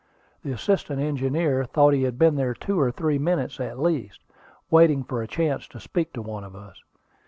The assistant engineer thought he had been there two or three minutes, at least, waiting for a chance to speak to one of us.